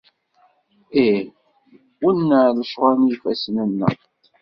Ih, wenneɛ lecɣal n yifassen-nneɣ!